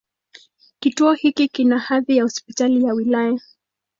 Kituo hiki kina hadhi ya Hospitali ya wilaya.